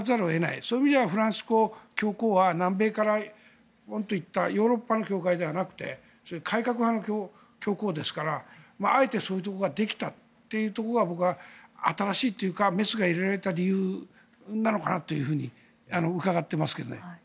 そういう意味ではフランシスコ教皇は南米からいったヨーロッパの教会ではなくて改革派の教皇ですからあえてそういうところができたということが僕は新しいというかメスが入れられた理由なのかなというふうにうかがっていますけども。